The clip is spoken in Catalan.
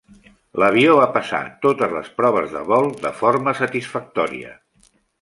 L'avió va passar totes les proves de vol de forma satisfactòria.